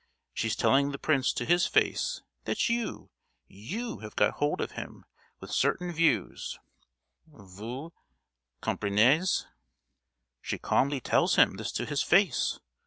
She's telling the prince to his face that you, you have got hold of him with certain views—vous comprenez?" "She calmly tells him this to his face!